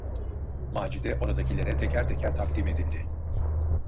Macide oradakilere teker teker takdim edildi.